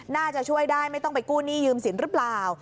น่าจะช่วยได้ไม่ต้องไปกู้หนี้ยืมสินหรือเปล่า